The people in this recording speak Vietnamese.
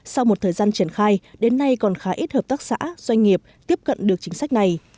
sau một thời gian triển khai đến nay còn khá ít hợp tác xã doanh nghiệp tiếp cận được chính sách này